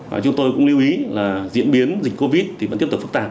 và chúng tôi cũng lưu ý là diễn biến dịch covid thì vẫn tiếp tục phức tạp